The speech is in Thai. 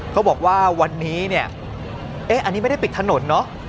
เขาบอกว่าวันนี้เนี่ยอันนี้ไม่ได้ปิดถนนเนอะ